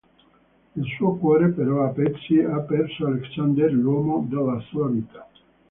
Il suo cuore però è a pezzi, ha perso Alexander l'uomo della sua vita.